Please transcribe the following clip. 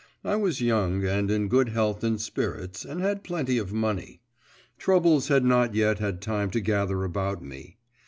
I was young, and in good health and spirits, and had plenty of money. Troubles had not yet had time to gather about me.